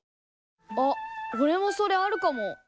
あっおれもそれあるかも。